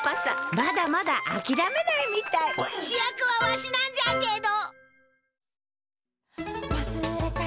まだまだあきらめないみたい主役はわしなんじゃけど！